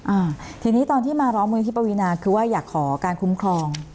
อ่าทีนี้ตอนที่มาร้องมือที่ปวีนาคือว่าอยากขอการคุ้มครอง